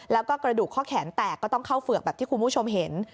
แล้วก็กระดูกข้อแขนแตกก็ต้องเข้าเฝือกแบบที่คุณผู้ชมเห็น